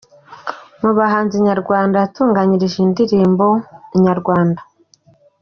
Mu bahanzi nyarwanda yatunganyirije indirimbo, Inyarwanda.